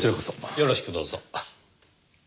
よろしくどうぞ。